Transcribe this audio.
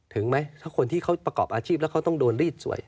ถึงไหมถ้าคนที่เขาประกอบอาชีพแล้วเขาต้องโดนรีดสวย